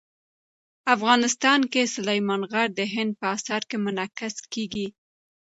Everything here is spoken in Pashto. افغانستان کې سلیمان غر د هنر په اثار کې منعکس کېږي.